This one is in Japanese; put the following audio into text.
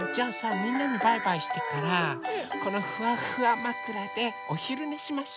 みんなにバイバイしてからこのフワフワまくらでおひるねしましょ。